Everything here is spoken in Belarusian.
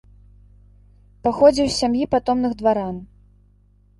Паходзіў з сям'і патомных дваран.